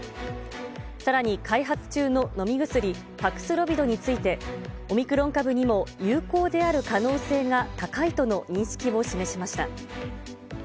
さらに、開発中の飲み薬、パクスロビドについて、オミクロン株にも有効である可能性が高いとの認識を示しました。